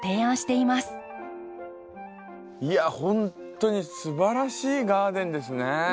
いやほんとにすばらしいガーデンですね！